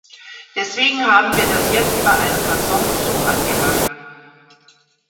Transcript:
Deswegen haben wir das jetzt bei ein paar Songs so angegangen.